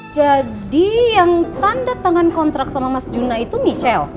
jadi yang tanda tangan kontrak sama mas juna itu michelle